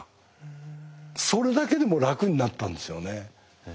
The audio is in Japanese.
それだけでも楽になったんですよね。